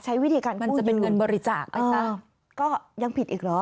ใช้วิธีการกู้ยืมก็ยังผิดอีกเหรอ